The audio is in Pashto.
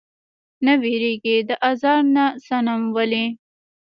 نۀ ويريږي د ازار نه صنم ولې؟